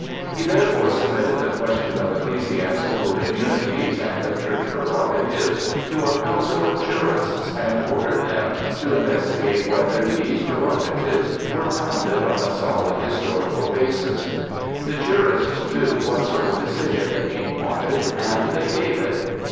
He therefore submitted the question of ecclesiastical immunities and of church prerogatives to a council of jurists and ordered them to investigate whether these prerogatives were founded on a solid historical basis. The jurists knew what sort of decision the King wanted, and they gave it.